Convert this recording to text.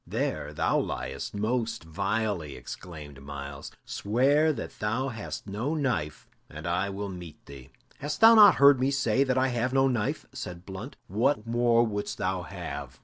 "There thou liest most vilely!" exclaimed Myles. "Swear that thou hast no knife, and I will meet thee." "Hast thou not heard me say that I have no knife?" said Blunt. "What more wouldst thou have?"